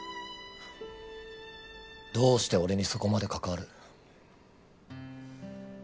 どうして俺にそこまで関わる？